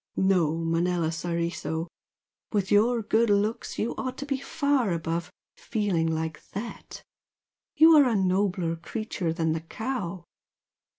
No, Manella Soriso! with your good looks you ought to be far above 'feeling like THAT! you are a nobler creature than a cow!